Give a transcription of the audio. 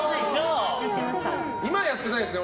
今はやってないですよね